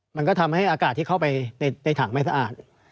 มันก็ทำให้อากาศที่เข้าไปในถังไม่สะอาด